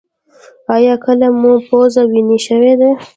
ایا کله مو پوزه وینې شوې ده؟